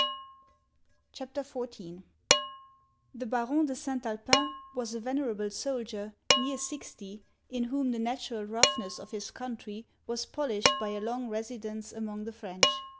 ] CHAPTER XIV The Baron de St. Alpin was a venerable soldier, near sixty, in whom the natural roughness of his country was polished by a long residence among the French.